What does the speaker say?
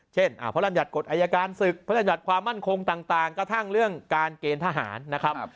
เช่นอ่าพระรามยัดกฎอายการศึกษ์พระรามยัดความมั่นคงต่างกระทั่งเรื่องการเกณฑ์ทหารนะครับ